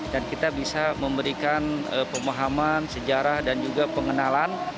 dan kita bisa memberikan pemahaman sejarah dan juga pengenalan